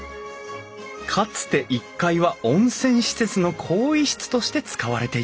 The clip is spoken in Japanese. かつて１階は温泉施設の更衣室として使われていた。